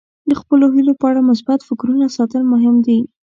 د خپلو هیلو په اړه مثبت فکرونه ساتل مهم دي.